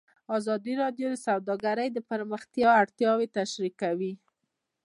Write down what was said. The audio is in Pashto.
ازادي راډیو د سوداګري د پراختیا اړتیاوې تشریح کړي.